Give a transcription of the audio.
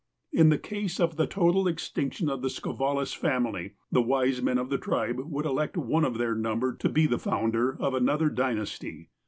In the case of the total extinction of the "Skovalis" family, the wise men of the tribe would elect one of their number to be the founder of another dynasty.